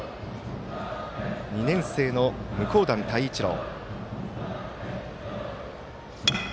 ２年生の向段泰一郎。